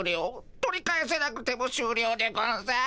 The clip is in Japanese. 取り返せなくてもしゅうりょうでゴンス。